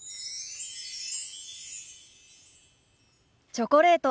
チョコレート。